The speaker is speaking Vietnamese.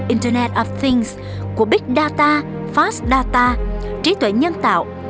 internet of things của big data fast data trí tuệ nhân tạo